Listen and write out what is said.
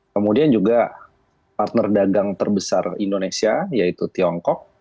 kemudian juga partner dagang terbesar indonesia yaitu tiongkok